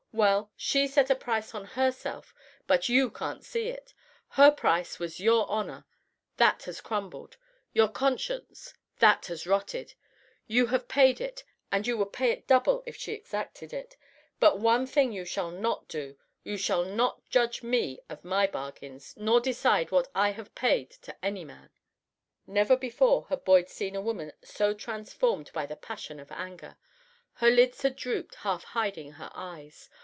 Well, she set a price on herself, but you can't see it. Her price was your honor, that has crumbled; your conscience, that has rotted. You have paid it, and you would pay double if she exacted it. But one thing you shall not do: you shall not judge of my bargains, nor decide what I have paid to any man." Never before had Boyd seen a woman so transformed by the passion of anger. Her lids had drooped, half hiding her eyes.